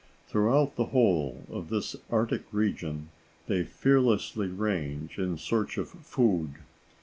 Throughout the whole of this Arctic region they fearlessly range in search of food.